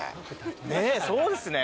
ねっそうですね。